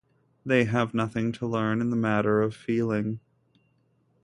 They have nothing to learn in the matter of feeling.